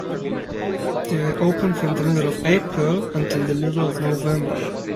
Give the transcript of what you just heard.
They are open from the middle of April until the middle of November.